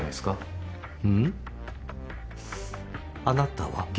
あなたは？